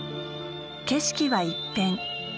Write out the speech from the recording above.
景色は一変。